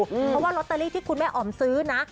เพราะว่าลอตเตอรี่ที่คุณแม่อ๋อมซื้อนะ